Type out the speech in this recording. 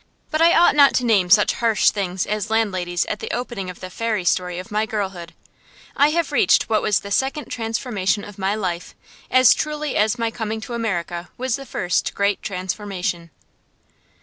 But I ought not to name such harsh things as landladies at the opening of the fairy story of my girlhood. I have reached what was the second transformation of my life, as truly as my coming to America was the first great transformation.